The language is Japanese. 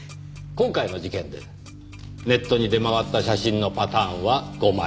今回の事件でネットに出回った写真のパターンは５枚。